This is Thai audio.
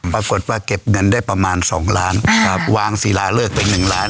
ปรากฏว่าเก็บเงินได้ประมาณสองล้านครับวางศิลาเลิกไป๑ล้าน